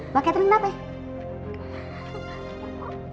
mbak ketri kenapa ya